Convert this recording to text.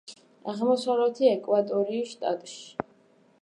აღმოსავლეთი ეკვატორიის შტატში.